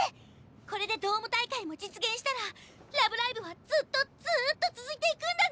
これでドーム大会も実現したらラブライブはずっとずっと続いていくんだね！